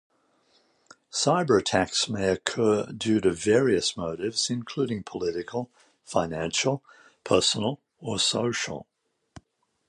Cyberattacks may occur due to various motives, including political, financial, personal, or social.